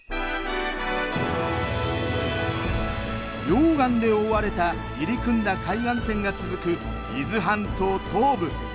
溶岩で覆われた入り組んだ海岸線が続く伊豆半島東部。